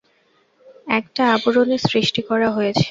একটা আবরণের সৃষ্টি করা হয়েছে!